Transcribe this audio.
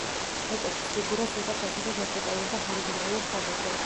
მეტოქის ფიგურას იღებს ასევე ვერტიკალურ და ჰორიზონტალურ ხაზებზე.